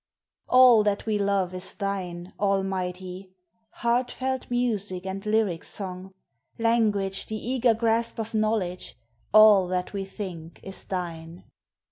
All that we love is thine Almighty! Heart felt music and lyric song Language the eager grasp of knowledge All that we think is thine.